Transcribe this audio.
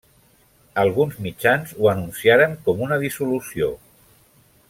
Alguns mitjans ho anunciaran com una dissolució.